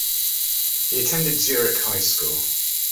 He attended Zurich High School.